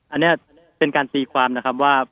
อันนี้เป็นการตีความนะครับว่า